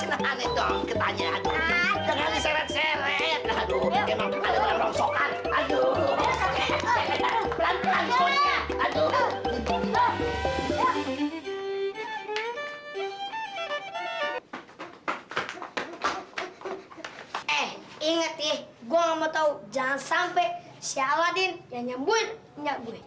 eh inget ya gua gak mau tau jangan sampe si aladin yang nyambut nyak gue